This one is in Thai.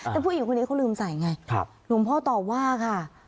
แต่ผู้หญิงคนนี้เขาลืมใส่ไงหลวงพ่อตอบว่าค่ะ